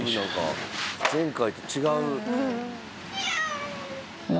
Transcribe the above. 前回と違う。